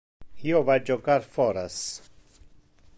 Io va jocar foras.